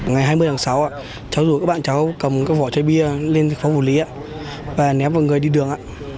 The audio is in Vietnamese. ngày hai mươi tháng sáu cháu rủ các bạn cháu cầm vỏ chai bia lên phòng phủ lý và ném vào người đi đường